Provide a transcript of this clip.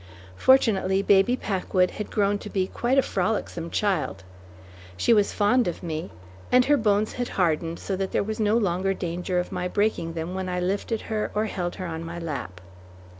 Fortunately Baby Packwood had grown to be quite a frolicsome child. She was fond of me, and her bones had hardened so that there was no longer danger of my breaking them when I lifted her or held her on my lap.